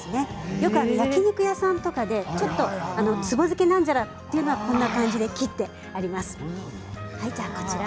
よく焼き肉屋さんとかでつぼ漬けなんちゃらというのはあんな感じで切ってあります。